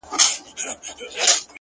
جنگ دی سوله نه اكثر _